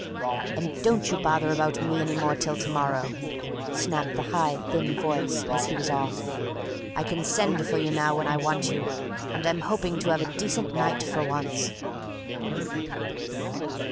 "And don't you bother any more about me till to morrow," snapped the high thin voice as he was off. "I can send for you now when I want you, and I'm hoping to have a decent night for once."